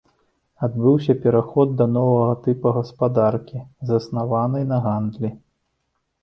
Адбыўся пераход да новага тыпа гаспадаркі, заснаванай на гандлі.